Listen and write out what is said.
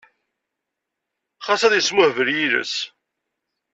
Xas ad yesmuhbel yiles.